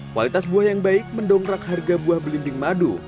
kualitas buah yang baik mendongkrak harga buah belimbing madu